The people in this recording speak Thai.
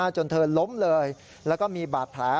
จนเธอล้มเลยแล้วก็มีบาดแผล